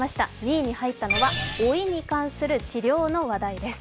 ２位に入ったのは老いに関する治療の話題です。